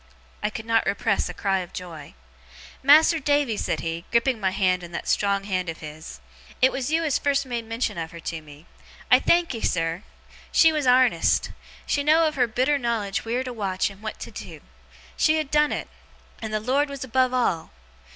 I could not repress a cry of joy. 'Mas'r Davy!' said he, gripping my hand in that strong hand of his, 'it was you as first made mention of her to me. I thankee, sir! She was arnest. She had know'd of her bitter knowledge wheer to watch and what to do. She had done it. And the Lord was above all!